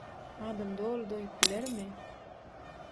Adam doly doýup bilermi?